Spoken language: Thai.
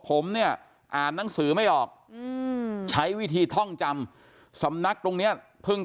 ผมเนี่ยอ่านหนังสือไม่ออกใช้วิธีท่องจำสำนักตรงเนี้ยเพิ่ง